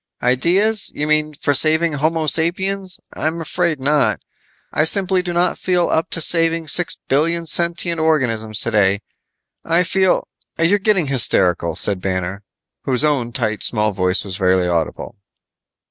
"Ideas? You mean for saving Homo sapiens? I'm afraid not. I simply do not feel up to saving six billion sentient organisms today. I feel " "You're getting hysterical," said Banner, whose own tight, small voice was barely audible.